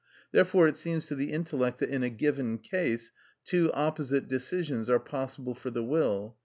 Therefore it seems to the intellect that in a given case two opposite decisions are possible for the will.